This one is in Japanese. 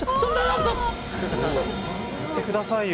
言ってくださいよ。